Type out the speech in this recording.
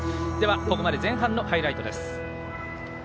ここまで前半のハイライトです。